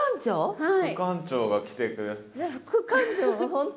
はい。